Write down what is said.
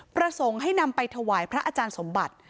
ประสงค์ให้นำไปถวายพระอาจารย์สมบัติ